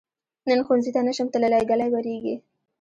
نن ښؤونځي ته نشم تللی، ږلۍ وریږي.